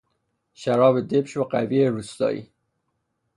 شراب دبش و قوی روستایی